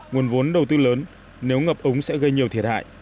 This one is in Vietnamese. nguồn vốn đầu tư lớn nếu ngập ống sẽ gây nhiều thiệt hại